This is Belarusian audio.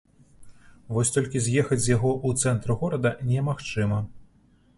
Вось толькі з'ехаць з яго ў цэнтр горада немагчыма.